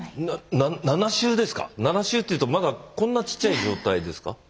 ７週ですか⁉７週というとまだこんなちっちゃい状態ですか？